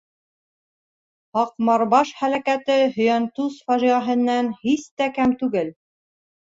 Һаҡмарбаш һәләкәте Һөйәнтүҙ фажиғәһенән һис тә кәм түгел.